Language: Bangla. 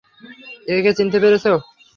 একে চিনতে পেরেছো?